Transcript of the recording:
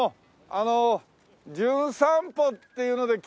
あの『じゅん散歩』っていうので来ました